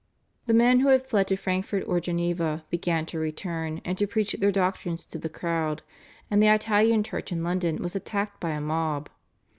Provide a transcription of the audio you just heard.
The men who had fled to Frankfurt or Geneva began to return and to preach their doctrines to the crowd, and the Italian church in London was attacked by a mob.